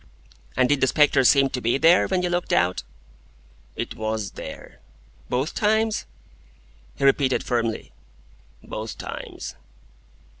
"And did the spectre seem to be there, when you looked out?" "It WAS there." "Both times?" He repeated firmly: "Both times."